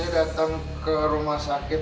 datang ke rumah sakit